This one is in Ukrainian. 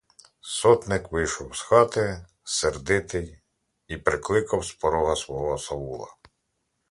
Сотник вийшов з хати сердитий і прикликав з порога свого осавула.